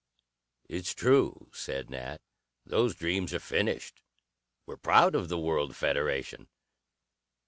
"It's true," said Nat. "Those dreams are finished, We're proud of the World Federation.